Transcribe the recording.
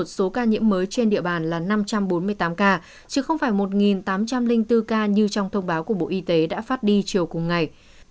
số ca nhiễm mới trên địa bàn là năm trăm bốn mươi tám ca chứ không phải một tám trăm linh bốn ca như trong thông báo của bộ y tế đã phát đi chiều cùng ngày